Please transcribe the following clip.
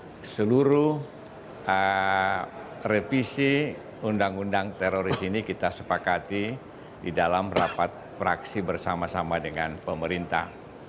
terus setelah itu kita berhasil membuat seluruh revisi undang undang teroris ini kita sepakati di dalam rapat fraksi bersama sama dengan pemerintah